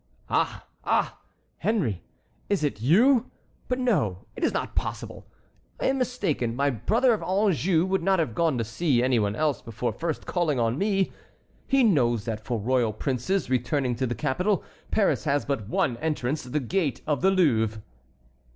"Ah! ah! Henry, is it you? But no, it is not possible, I am mistaken—my brother of Anjou would not have gone to see any one else before first calling on me. He knows that for royal princes, returning to the capital, Paris has but one entrance, the gate of the Louvre."